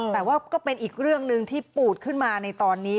แต่ว่าก็เป็นอีกเรื่องหนึ่งที่ปูดขึ้นมาในตอนนี้